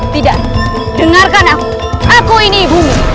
tidak dengarkan aku aku ini ibumu